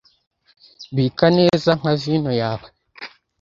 Bika neza nka vino yawe